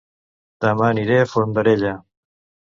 Dema aniré a Fondarella